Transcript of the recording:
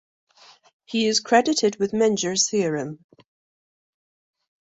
He is credited with Menger's theorem.